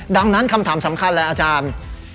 ดังนั้นคำถามสำคัญเลยอาจารย์